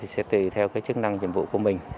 sẽ tùy theo chức năng nhiệm vụ của mình